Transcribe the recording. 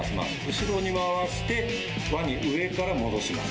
後ろに回して、輪に上から戻します。